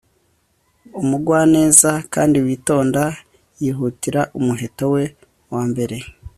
umugwaneza kandi witonda, yihutira umuheto we wa mbere